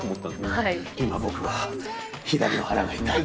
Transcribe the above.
「今僕は左の腹が痛い」。